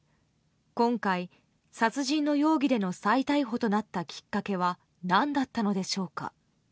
今回、殺人の容疑での再逮捕となったきっかけは何だったのでしょうか。